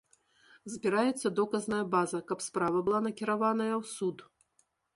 Збіраецца доказная база, каб справа была накіраваная ў суд.